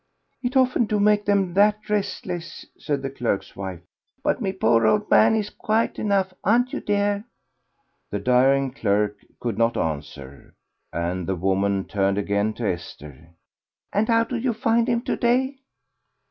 "It often do make them that restless," said the clerk's wife. "But my poor old man is quiet enough aren't you, dear?" The dying clerk could not answer, and the woman turned again to Esther. "And how do you find him to day?"